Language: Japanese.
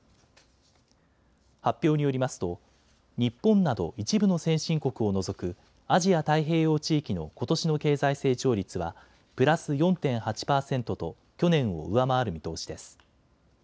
発表によりますと日本など一部の先進国を除くアジア太平洋地域のことしの経済成長率はプラス４．８％と去年を上回る見通しです。